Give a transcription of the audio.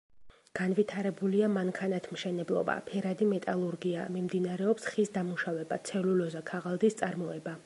განვითარებულია მანქანათმშენებლობა, ფერადი მეტალურგია; მიმდინარეობს ხის დამუშავება, ცელულოზა-ქაღალდის წარმოება.